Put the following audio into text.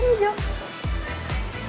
karena makan bubur kacang hijau